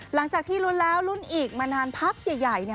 หลังจากที่ลุ้นแล้วลุ้นอีกมานานพักใหญ่